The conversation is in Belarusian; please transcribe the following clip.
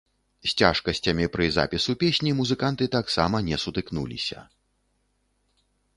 З цяжкасцямі пры запісу песні музыканты таксама не сутыкнуліся.